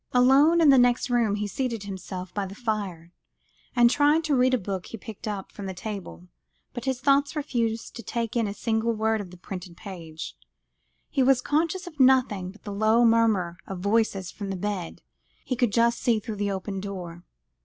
Alone, in the next room, he seated himself by the fire, and tried to read a book he picked up from the table, but his thoughts refused to take in a single word of the printed page; he was conscious of nothing but the low murmur of voices from the bed he could just see through the open door.